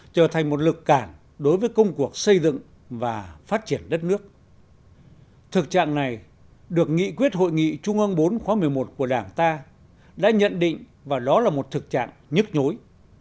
trở thành một lực cản đối với công cuộc xây dựng và phát triển đất nước thực trạng này được nghị quyết hội nghị trung ương bốn khóa một mươi một của đảng ta đã nhận định và đó là một thực trạng nhức nhối